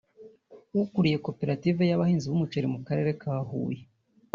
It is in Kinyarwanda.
ukuriye Koperative y’Abahinzi b’umuceri mu Karere ka Huye